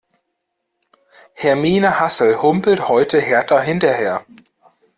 Hermine Hassel humpelt heute Hertha hinterher.